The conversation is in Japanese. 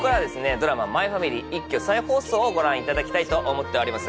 ドラマ「マイファミリー」一挙再放送をご覧いただきたいと思っております